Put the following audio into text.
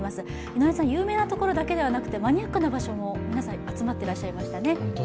皆さん、有名なところだけではなくてマニアックな場所に集まってらっしゃいましたね。